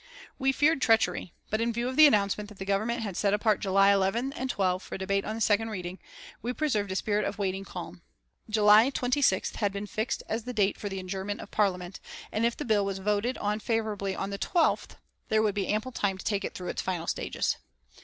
We feared treachery, but in view of the announcement that the Government had set apart July 11 and 12 for debate on the second reading, we preserved a spirit of waiting calm. July 26th had been fixed as the day for the adjournment of Parliament, and if the bill was voted on favourably on the 12th there would be ample time to take it through its final stages.